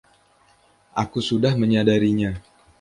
Aku sudah menyadarinya.